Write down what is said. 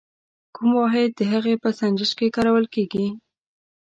کوم واحد د هغې په سنجش کې کارول کیږي؟